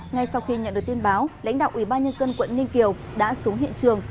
ngay sau khi nhận được tin báo lãnh đạo ủy ban nhân dân quận ninh kiều đã xuống hiện trường